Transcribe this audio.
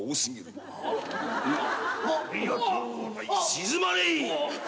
静まれい！